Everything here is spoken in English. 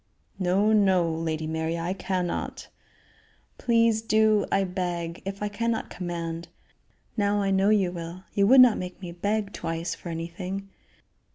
"No! no! Lady Mary, I cannot." "Please do. I beg if I cannot command. Now I know you will; you would not make me beg twice for anything?"